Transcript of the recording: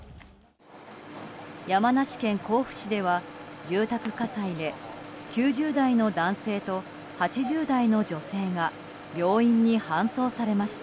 山梨県甲府市では住宅火災で９０代の男性と８０代の女性が病院に搬送されました。